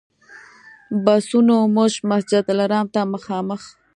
بسونو موږ مسجدالحرام ته مخامخ.